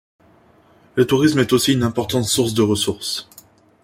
Le tourisme est aussi une importante source de ressources.